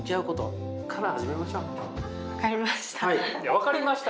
分かりました。